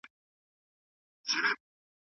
که موږ مطالعه وکړو نو ذهن مو روښانه کيږي.